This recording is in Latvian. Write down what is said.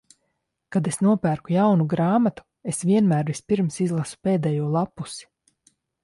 Kad es nopērku jaunu grāmatu, es vienmēr vispirms izlasu pēdējo lappusi.